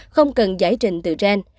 không cần giải trình từ gen